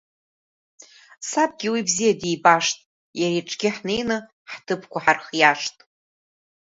Сабгьы уи бзиа дибашт, Иара иҿгьы ҳнеины ҳҭыԥқәа ҳархиашт.